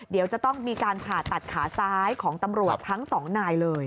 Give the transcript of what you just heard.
เดี๋ยวจะต้องมีการผ่าตัดขาซ้ายของตำรวจทั้งสองนายเลย